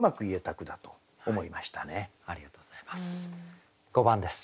ありがとうございます。